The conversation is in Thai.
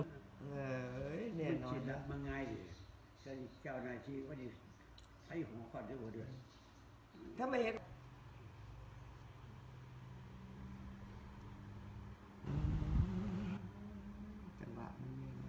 มันชิดแล้วมันง่ายดิ